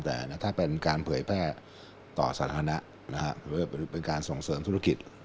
แต่ถ้าเป็นการเผยแพร่ต่อสาธารณะหรือว่าเป็นการส่งเสริมธุรกิจ